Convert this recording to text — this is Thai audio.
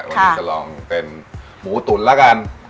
วันนี้จะลองเป็นหมูตุ๋นแล้วกัน